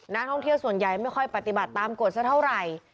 นักท่องเที่ยวส่วนใหญ่ไม่ค่อยปฏิบัติตามกฎซะเท่าไหร่